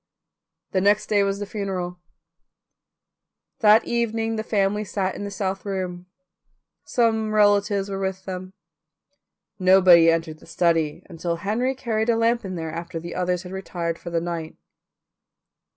The next day was the funeral. That evening the family sat in the south room. Some relatives were with them. Nobody entered the study until Henry carried a lamp in there after the others had retired for the night.